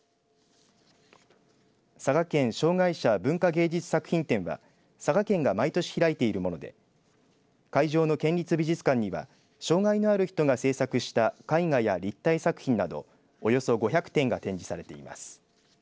佐賀県障がい者文化芸術作品展は佐賀県が毎年開いているもので会場の県立美術館には障害のある人が制作した絵画や立体作品などおよそ５００点が展示されています。